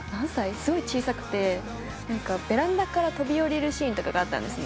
すごい小さくて何かベランダから飛び降りるシーンとかがあったんですね